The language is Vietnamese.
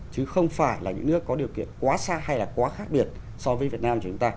chứ không phải là những nước có điều kiện quá xa hay là quá khác biệt so với việt nam của chúng ta